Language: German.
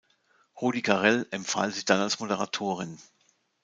Rudi Carrell empfahl sie dann als Moderatorin.